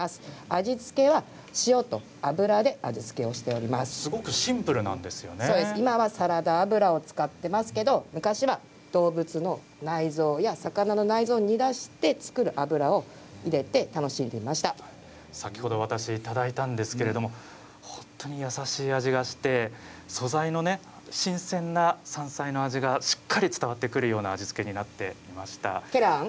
味付けは塩と油ですごく今はサラダ油を使っていますが昔は動物や魚の内臓を煮出して作る油を使って先ほどいただいたんですが本当に優しい味がして素材の新鮮な山菜の味がしっかり伝わってくるような味付けになっていました。